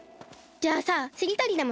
じゃあさしりとりでもしない？